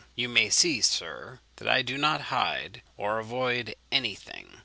You may see, sir, that I do not hide or avoid any thing.